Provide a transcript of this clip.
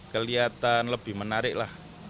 kelihatan lebih menarik lah